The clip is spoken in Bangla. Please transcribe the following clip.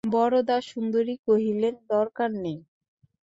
বরদাসুন্দরী কহিলেন, দরকার নেই!